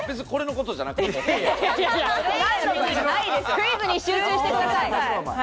クイズに集中してください。